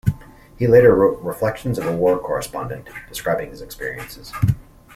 He later wrote "Reflections of a War Correspondent", describing his experiences.